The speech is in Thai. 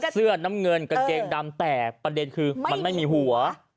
เสื้อน้ำเงินกางเกงดำแต่ประเด็นคือมันไม่มีหัว